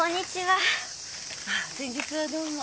先日はどうも。